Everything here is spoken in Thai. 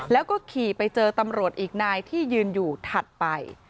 แล้วก็ขี่ไปเจอตำรวจอีกนายที่ยืนอยู่ถัดไป